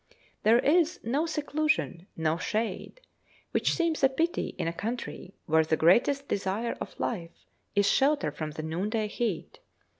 There is no seclusion, no shade, which seems a pity in a country where the greatest desire of life is shelter from the noonday heat.